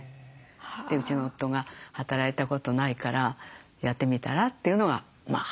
でうちの夫が「働いたことないからやってみたら？」というのが本当に初め。